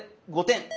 ５点！